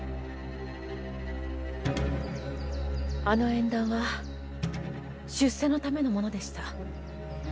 あの縁談は出世のためのものでした。